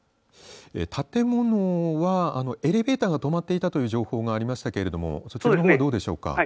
建物は、エレベーターが止まっていたという情報がありましたけれどもそちらのほうはどうでしょうか。